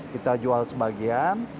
kita jual sebagian